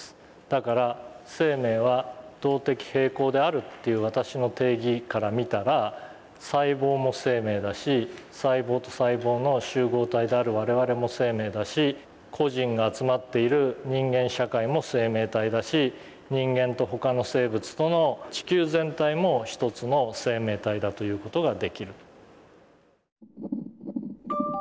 だから「生命は動的平衡である」っていう私の定義から見たら細胞も生命だし細胞と細胞の集合体である我々も生命だし個人が集まっている人間社会も生命体だし人間と他の生物との地球全体も一つの生命体だと言う事ができると。